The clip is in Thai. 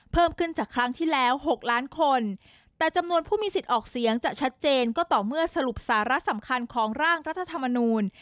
เพิ่มขึ้นจากครั้งที่แล้ว๖ล้านคนแต่จำนวนผู้มีสิทธิ์ออกเสียงจะชัดเจนก็ต่อเมื่อสรุปสาระสำคัญของร่างรัฐธรรมนูล